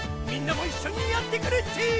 みんなもいっしょにやってくれっち！